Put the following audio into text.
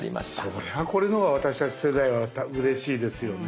そりゃあこれの方が私たち世代はうれしいですよね。